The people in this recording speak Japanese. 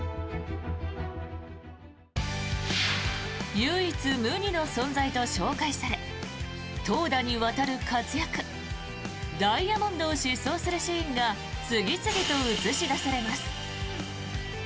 唯一無二の存在と紹介され投打にわたる活躍ダイヤモンドを疾走するシーンが次々と映し出されます。